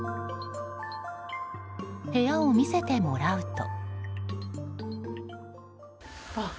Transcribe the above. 部屋を見せてもらうと。